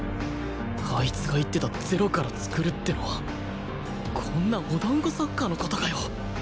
あいつが言ってた「０から創る」ってのはこんなお団子サッカーの事かよ！？